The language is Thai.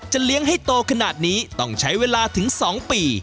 เลี้ยงให้โตขนาดนี้ต้องใช้เวลาถึง๒ปี